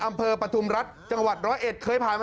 อำเภอปธุมรัฐจังหวัดร้อยเอ็ด